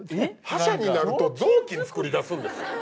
覇者になると雑巾作り出すんですか？